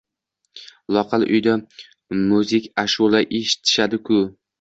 Loaqal uyida muzika-ashula eshitishadi-ku!